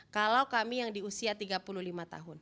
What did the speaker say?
kalau kami yang diusia tiga puluh lima tahun